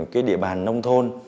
cái địa bàn nông thôn